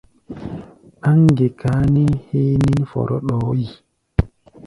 Ɗáŋ ŋgekaa nín héé nín fɔrɔ ɗɔɔ́ yi.